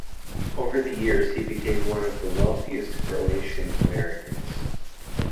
Over the years he became one of the wealthiest Croatian Americans.